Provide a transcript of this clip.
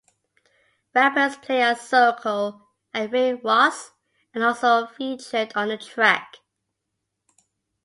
Rappers Playaz Circle and Rick Ross are also featured on the track.